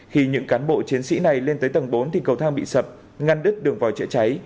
khi những cán bộ chiến sĩ này lên tới tầng bốn thì cầu thang bị sập ngăn đứt đường vòi chữa cháy